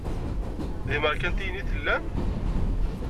D imerkantiyen i tellam?